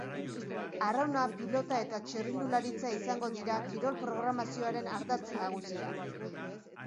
Arrauna, pilota eta txirrindularitza izango dira kirol programazioaren ardatz nagusiak.